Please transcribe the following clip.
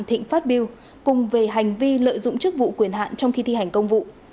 thịnh phát biêu cùng về hành vi lợi dụng chức vụ quyền hạn trong khi thi hành công vụ